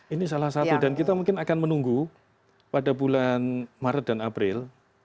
ini salah satu dan kita mungkin akan menunggu pada bulan maret dan april